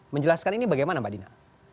menjelaskan ini bagaimana mbak dina